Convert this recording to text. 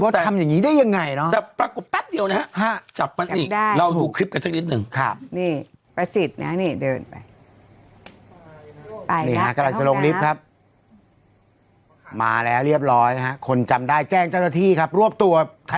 แต่ปรากฏแป๊บเดียว